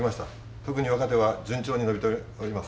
特に若手は順調に伸びております。